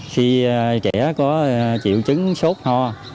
khi trẻ có triệu chứng sốt ho